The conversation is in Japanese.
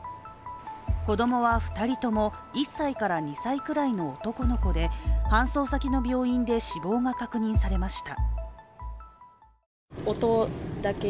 子供は２人とも１歳から２歳くらいの男の子で、搬送先の病院で死亡が確認されました。